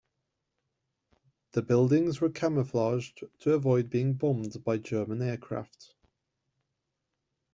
The buildings were camouflaged to avoid being bombed by German aircraft.